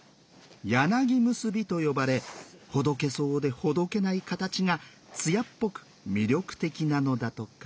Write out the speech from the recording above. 「柳結び」と呼ばれほどけそうでほどけない形が艶っぽく魅力的なのだとか。